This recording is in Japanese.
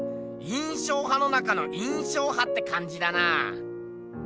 印象派の中の印象派ってかんじだなあ。